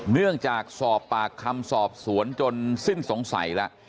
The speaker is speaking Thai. เนื่องจากสอบปากคำสอบสวนจนสิ้นสงสัยแล้ว